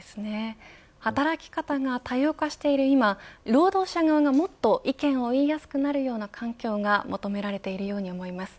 働き方が多様化している今労働者側がもっと意見を言いやすくなるような環境が求められているように思います。